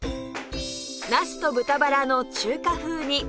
なすと豚バラの中華風煮